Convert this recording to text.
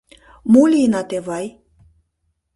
Мо лийынат, Эвай?